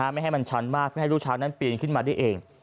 ไม่ให้มันชันมากไม่ให้ลูกช้างนั้นปีนขึ้นมาได้เอง